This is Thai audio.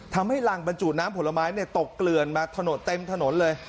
ทำให้รังบรรจุน้ำผลไม้ตกเกลื่อนมาถนนเต็มถนนเลย